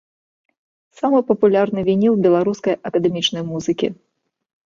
Самы папулярны вініл беларускай акадэмічнай музыкі.